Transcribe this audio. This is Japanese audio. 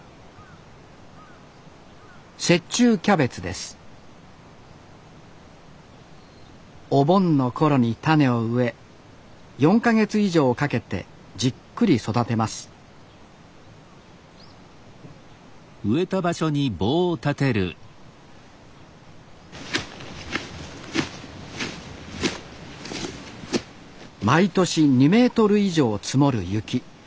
雪中キャベツですお盆の頃に種を植え４か月以上かけてじっくり育てます毎年２メートル以上積もる雪。